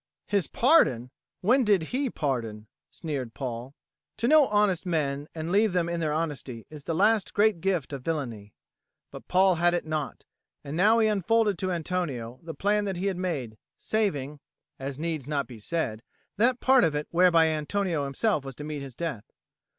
"His pardon! When did he pardon?" sneered Paul. To know honest men and leave them to their honesty is the last great gift of villainy. But Paul had it not; and now he unfolded to Antonio the plan that he had made, saving (as needs not to be said) that part of it whereby Antonio himself was to meet his death.